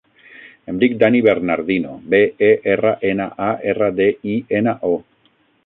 Em dic Dani Bernardino: be, e, erra, ena, a, erra, de, i, ena, o.